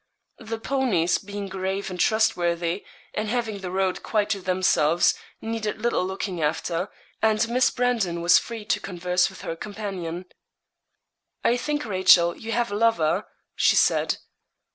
The ponies, being grave and trustworthy, and having the road quite to themselves, needed little looking after, and Miss Brandon was free to converse with her companion. 'I think, Rachel, you have a lover,' she said.